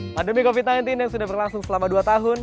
pandemi covid sembilan belas yang sudah berlangsung selama dua tahun